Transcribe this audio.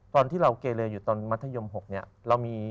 ตอนที่เราเกเลอยู่ตอนมัธยม๖เนี่ย